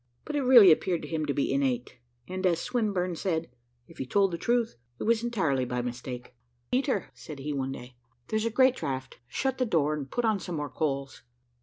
But it really appeared to him to be innate; and, as Swinburne said, "if he told truth, it was entirely by mistake." "Peter," said he, one day, "there's a great draught. Shut the door and put on some more coals."